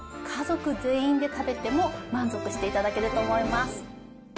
家族全員で食べても満足していただけると思います。